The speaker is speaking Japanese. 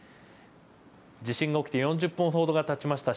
地震が起きて４０分ほどがたちました。